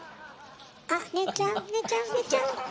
あっ寝ちゃう寝ちゃう寝ちゃう。